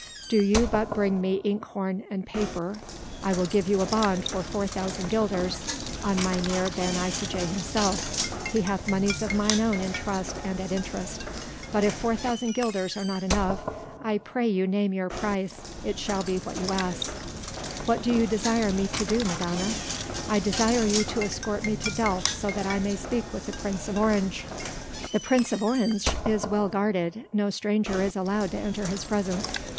Do you but bring me inkhorn and paper, I will give you a bond for 4,000 guilders on Mynheer Ben Isaje himself, he hath monies of mine own in trust and at interest. But if 4,000 guilders are not enough, I pray you name your price; it shall be what you ask." "What do you desire me to do, Madonna?" "I desire you to escort me to Delft so that I may speak with the Prince of Orange." "The Prince of Orange is well guarded. No stranger is allowed to enter his presence."